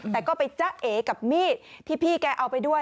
แต่ก็ไปจ้าเอกับมีดที่พี่แกเอาไปด้วย